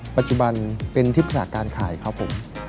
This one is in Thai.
ปัจจุบันเป็นทิพยาการขายครับผม